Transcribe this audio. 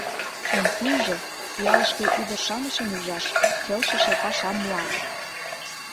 Эҥ тӱҥжӧ — ялышке ӱдыр-шамычым ӱжаш, келшыше пашам муаш!